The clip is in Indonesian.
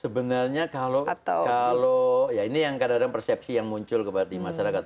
sebenarnya kalau ya ini yang kadang kadang persepsi yang muncul kepada masyarakat